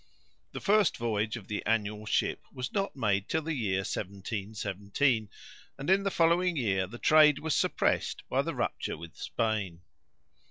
The first voyage of the annual ship was not made till the year 1717, and in the following year the trade was suppressed by the rupture with Spain.